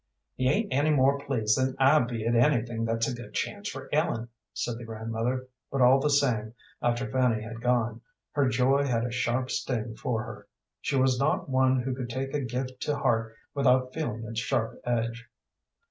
"He ain't any more pleased than I be at anything that's a good chance for Ellen," said the grandmother; but all the same, after Fanny had gone, her joy had a sharp sting for her. She was not one who could take a gift to heart without feeling its sharp edge.